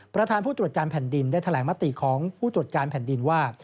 ประธานผู้ตรวจการแผ่นดินได้แถลงมติของผู้ตรวจการแผ่นดินว่า